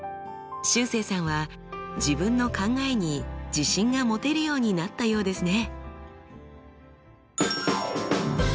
しゅうせいさんは自分の考えに自信が持てるようになったようですね。